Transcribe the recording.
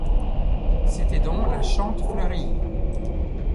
C’était donc la Chantefleurie.